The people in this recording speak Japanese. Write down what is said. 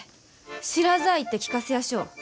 知らざあ言って聞かせやしょう。